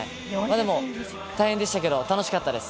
でも、大変でしたけど、楽しかったです。